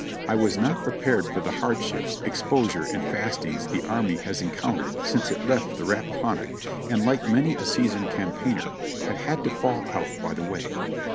I was not prepared for the hardships, exposure and fastings the army has encountered since it left the Rappahannock, and like many a seasoned campaigner have had to 'fall out by the way.'